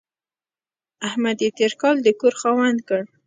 احمد يې تېر کال د کور خاوند کړ.